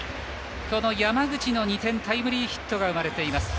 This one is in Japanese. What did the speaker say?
山口の２点タイムリーヒットが生まれています。